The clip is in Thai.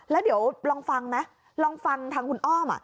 แล้วเดี๋ยวลองฟังไหมลองฟังทางคุณอ้อม